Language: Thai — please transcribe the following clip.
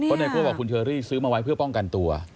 ไนโก้บอกคุณเชอรี่ซื้อมาไว้เพื่อป้องกันตัว